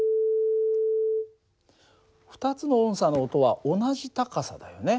２つのおんさの音は同じ高さだよね。